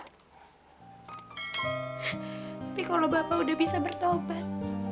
tapi kalau bapak udah bisa bertobat